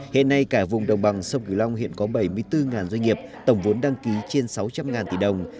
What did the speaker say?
hiện nay cả vùng đồng bằng sông cửu long hiện có bảy mươi bốn doanh nghiệp tổng vốn đăng ký trên sáu trăm linh tỷ đồng